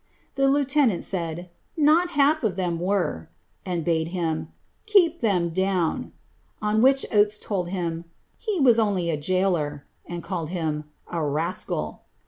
The lieutenant half of them were," and bade him " keep them down;" on s told him ^^he was only a jailor," and called him ^a rascal."